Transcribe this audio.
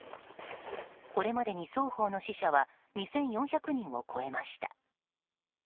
これまでに双方の死者は２４００人を超えました。